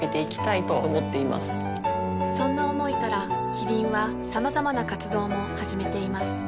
そんな思いからキリンはさまざまな活動も始めています